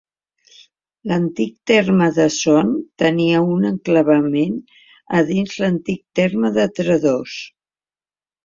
L'antic terme de Son tenia un enclavament a dins de l'antic terme de Tredòs.